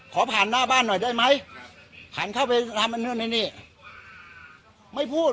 ขอผ่านหน้าบ้านหน่อยได้ไหมครับผ่านเข้าไปทำอันนี้ไม่พูด